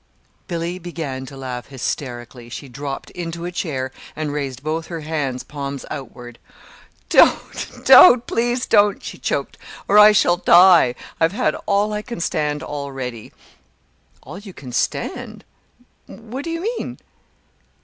Billy began to laugh hysterically. She dropped into a chair and raised both her hands, palms outward. "Don't, don't please don't!" she choked, "or I shall die. I've had all I can stand, already." "All you can stand?" "What do you mean?"